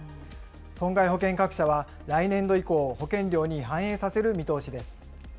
損害保険各社は、来年度以降、保険料に反映させる見通しです。